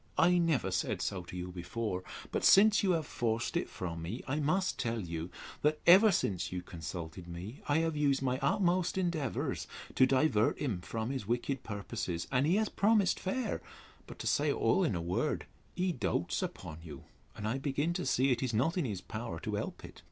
—I never said so to you before; but, since you have forced it from me, I must tell you, that, ever since you consulted me, I have used my utmost endeavours to divert him from his wicked purposes: and he has promised fair; but, to say all in a word, he doats upon you; and I begin to see it is not in his power to help it.